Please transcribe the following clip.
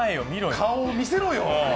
顔を見せろよ。